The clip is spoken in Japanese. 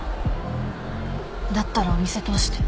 だったらお店通して